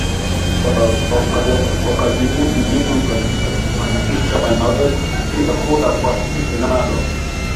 kwa watu wengi wakajirudi nyuma katika kuhakikisha wanaweza kupiga kura kwa hivyo nalo